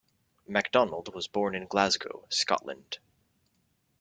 Macdonald was born in Glasgow, Scotland.